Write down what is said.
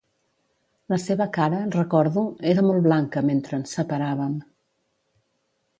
La seva cara, recordo, era molt blanca mentre ens separàvem.